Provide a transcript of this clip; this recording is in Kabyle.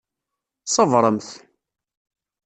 Ṣebṛemt!